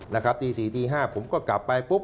นะครับตี๔ตี๕ผมก็กลับไปปุ๊บ